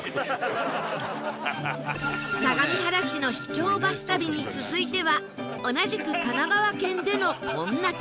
相模原市の秘境バス旅に続いては同じく神奈川県でのこんな旅。